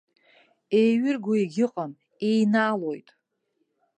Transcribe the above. Еиҩырго егьыҟам, еинаалоит.